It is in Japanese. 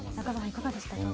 いかがでしたか？